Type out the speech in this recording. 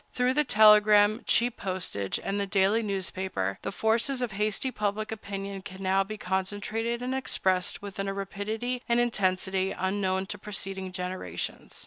Through the telegram, cheap postage, and the daily newspaper, the forces of hasty public opinion can now be concentrated and expressed with a rapidity and intensity unknown to preceding generations.